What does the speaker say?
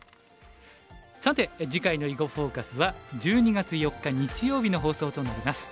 さて次回の「囲碁フォーカス」は１２月４日日曜日の放送となります。